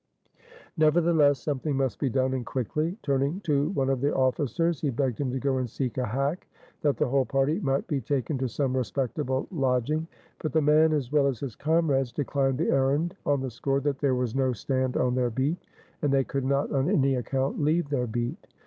Nevertheless something must be done, and quickly. Turning to one of the officers, he begged him to go and seek a hack, that the whole party might be taken to some respectable lodging. But the man, as well as his comrades, declined the errand on the score, that there was no stand on their beat, and they could not, on any account, leave their beat.